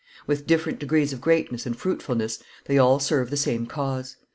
With different degrees of greatness and fruitfulness, they all serve the same cause.